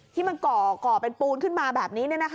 ที่มันก่อเป็นปูนขึ้นมาแบบนี้